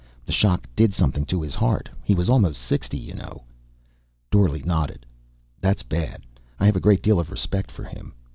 The shock did something to his heart. He was almost sixty, you know." Dorle nodded. "That's bad. I have a great deal of respect for him.